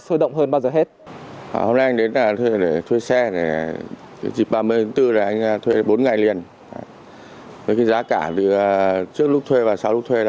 sôi động hơn bao giờ hết